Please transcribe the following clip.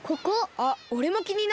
あっおれもきになった。